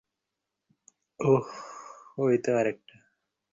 ওহ, ওইতো আরেকটা।